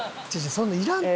そんないらんって。